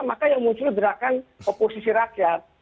maka yang muncul gerakan oposisi rakyat